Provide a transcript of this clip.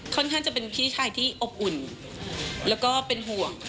ท่านจะเป็นพี่ชายที่อบอุ่นแล้วก็เป็นห่วง